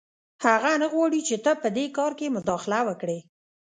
هغه نه غواړي چې ته په دې کار کې مداخله وکړې